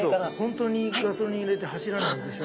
本当にガソリン入れて走らないでしょ。